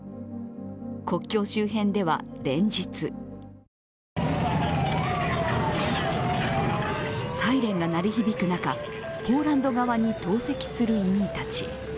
国境周辺では連日サイレンが鳴り響く中、ポーランド側に投石する移民たち。